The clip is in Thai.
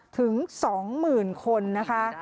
ถึง๒หมื่นคนนะคะ